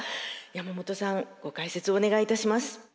山本さんご解説をお願いいたします。